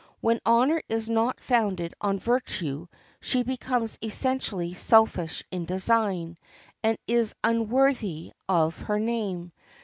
When honor is not founded on virtue she becomes essentially selfish in design, and is unworthy of her name.